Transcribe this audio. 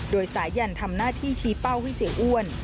โดยสายันทำหน้าที่ชี้เป้าให้เสียอ้วน